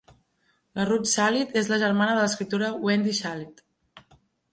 La Ruth Shalit és la germana de l'escriptora Wendy Shalit.